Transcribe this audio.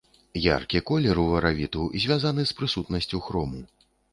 Яркі колер уваравіту звязаны з прысутнасцю хрому.